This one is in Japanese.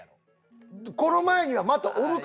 この前にはまたおるから！